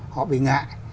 họ bị ngại